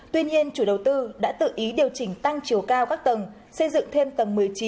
tuy nhiên chủ đầu tư đã tự ý điều chỉnh tăng chiều cao các tầng xây dựng thêm tầng một mươi chín